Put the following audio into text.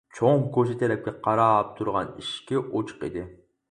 چوڭ كوچا تەرەپكە قاراپ تۇرغان ئىشىكى ئوچۇق ئىدى.